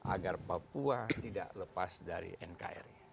agar papua tidak lepas dari nkri